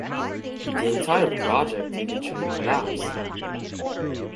The entire project eventually collapsed.